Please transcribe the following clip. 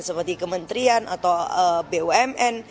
seperti kementerian atau bumn